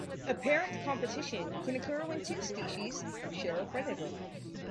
Apparent competition can occur when two species share a predator.